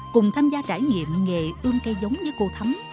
cùng tham gia trải nghiệm nghề ươm cây giống với cô thấm